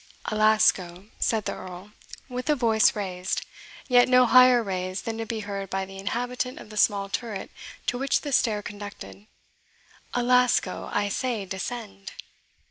"Alasco," said the Earl, with a voice raised, yet no higher raised than to be heard by the inhabitant of the small turret to which the stair conducted "Alasco, I say, descend."